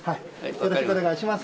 よろしくお願いします。